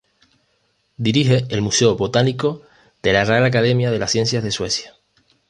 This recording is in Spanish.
Dirige el Museo Botánico de la Real Academia de las Ciencias de Suecia.